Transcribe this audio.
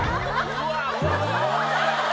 うわうわ！